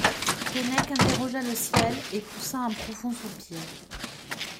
Keinec interrogea le ciel et poussa un profond soupir.